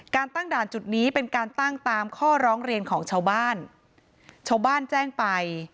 ตั้งด่านจุดนี้เป็นการตั้งตามข้อร้องเรียนของชาวบ้านชาวบ้านชาวบ้านแจ้งไป